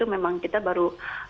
memang kita baru